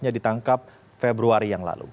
ditangkap februari yang lalu